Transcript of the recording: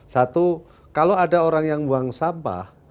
satu kalau ada orang yang buang sampah